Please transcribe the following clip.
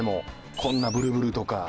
こんなブルブルとか。